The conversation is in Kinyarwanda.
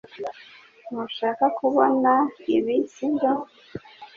Ntushaka kubona ibi sibyo